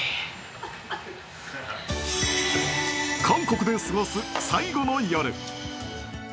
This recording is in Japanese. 韓国で過ごす最後の夜。